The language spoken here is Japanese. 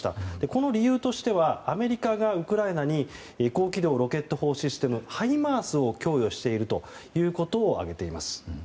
この理由としてはアメリカがウクライナに高軌道ロケット砲システムハイマースを供与しているということを挙げています。